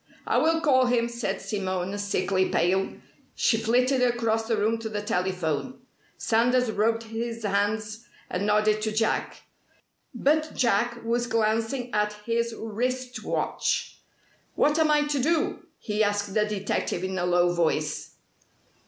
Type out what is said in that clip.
"I will call him," said Simone, sickly pale. She flitted across the room to the telephone. Sanders rubbed his hands, and nodded to Jack. But Jack was glancing at his wrist watch. "What am I to do?" he asked the detective in a low voice.